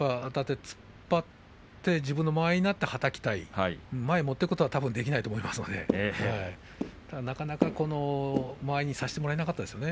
突っ張って自分の間合いになってはたきたい前に持っていくことはできないと思いますから、なかなか間合いにさせてもらえなかったですね。